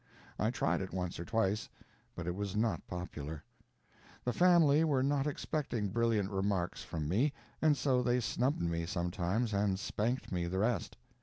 I tried it once or twice, but it was not popular. The family were not expecting brilliant remarks from me, and so they snubbed me sometimes and spanked me the rest.